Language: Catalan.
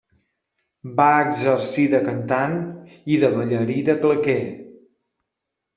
Va exercir de cantant i de ballarí de claqué.